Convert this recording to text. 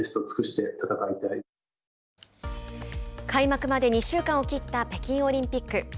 開幕まで２週間を切った北京オリンピック。